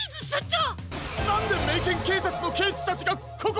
なんでメイケンけいさつのけいじたちがここに！？